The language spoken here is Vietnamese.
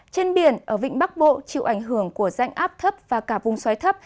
trên biển ở vịnh bắc bộ chịu ảnh hưởng của rãnh áp thấp và cả vùng xoáy thấp